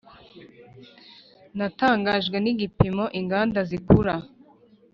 natangajwe nigipimo inganda zikura.